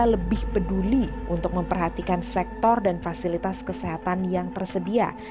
lebih peduli untuk memperhatikan sektor dan fasilitas kesehatan yang tersedia